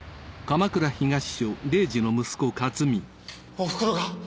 おふくろが！？